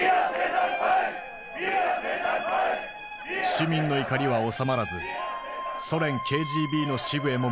市民の怒りは収まらずソ連ＫＧＢの支部へも向かった。